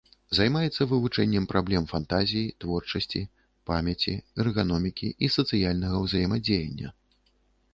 Займаецца вывучэннем праблем фантазіі, творчасці, памяці, эрганомікі і сацыяльнага ўзаемадзеяння.